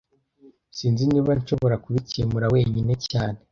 Sinzi niba nshobora kubikemura wenyine cyane